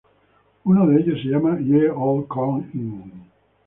Uno de ellos se llama "Ye Old Cock Inn".